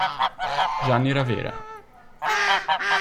Gianni Ravera